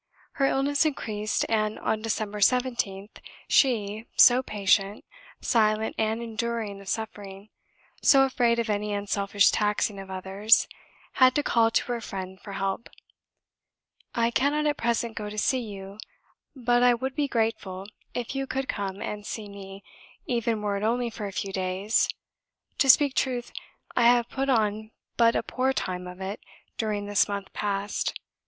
Her illness increased, and on December 17th, she so patient, silent, and enduring of suffering so afraid of any unselfish taxing of others had to call to her friend for help: "I cannot at present go to see you, but I would be grateful if you could come and see me, even were it only for a few days. To speak truth, I have put on but a poor time of it during this month past.